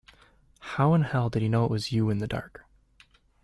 How in hell did he know it was you in the dark.